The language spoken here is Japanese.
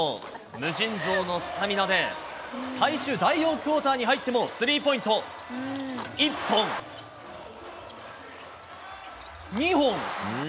無尽蔵のスタミナで、最終第４クオーターに入っても、スリーポイントを１本、２本。